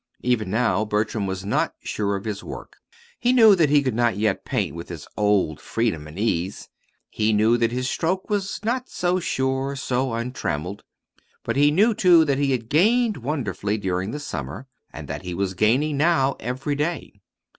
Even now Bertram was not sure of his work. He knew that he could not yet paint with his old freedom and ease; he knew that his stroke was not so sure, so untrammeled. But he knew, too, that he had gained wonderfully, during the summer, and that he was gaining now, every day.